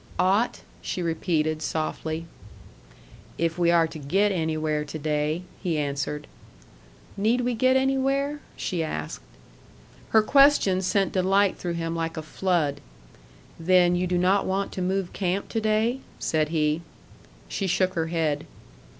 "Ought?" she repeated softly. "If we are to get anywhere to day," he answered. "Need we get anywhere?" she asked. Her question sent delight through him like a flood. "Then you do not want to move camp to day?" said he. She shook her head.